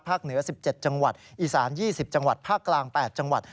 เหนือ๑๗จังหวัดอีสาน๒๐จังหวัดภาคกลาง๘จังหวัด